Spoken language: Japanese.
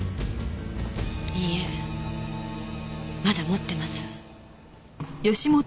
いいえまだ持ってます。